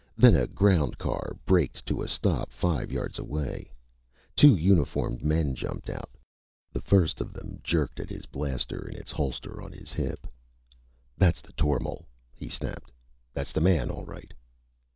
Then a ground car braked to a stop five yards away. Two uniformed men jumped out. The first of them jerked at his blaster in its holster on his hip. "That's the tormal!" he snapped. "This's the man, all right!"